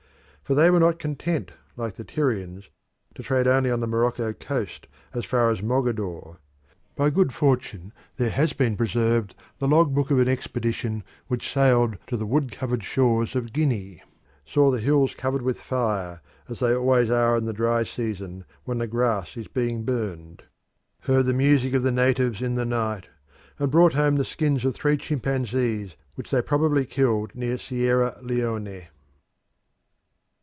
For they were not content, like the Tyrians, to trade only on the Morocco coast as far as Mogadore. By good fortune there has been preserved the log book of an expedition which sailed to the wood covered shores of Guinea; saw the hills covered with fire, as they always are in the dry season when the grass is being burnt; heard the music of the natives in the night; and brought home the skins of three chimpanzees which they probably killed near Sierra Leone.